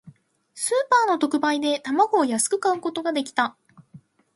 スーパーの特売で、卵を安く買うことができた。